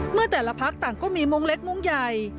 เมื่อแต่ละพักต่างก็มีมุ้งเล็กมงใหญ่